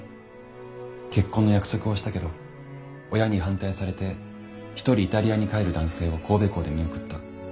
結婚の約束をしたけど親に反対されて一人イタリアに帰る男性を神戸港で見送った。